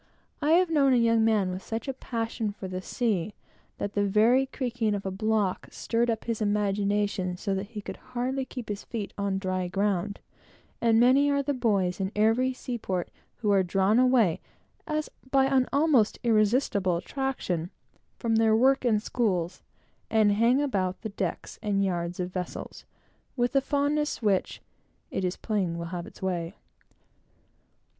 I have known a young man with such a passion for the sea, that the very creaking of a block stirred up his imagination so that he could hardly keep his feet on dry ground; and many are the boys, in every seaport, who are drawn away, as by an almost irresistible attraction, from their work and schools, and hang about the decks and yards of vessels, with a fondness which, it is plain, will have its way.